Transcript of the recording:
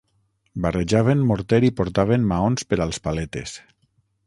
Barrejaven morter i portaven maons per als paletes.